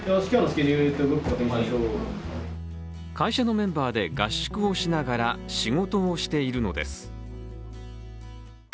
会社のメンバーで合宿をしながら仕事をしているのです。